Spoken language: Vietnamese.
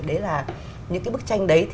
đấy là những cái bức tranh đấy